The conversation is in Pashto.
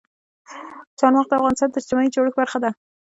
چار مغز د افغانستان د اجتماعي جوړښت برخه ده.